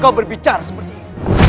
kau berbicara seperti ini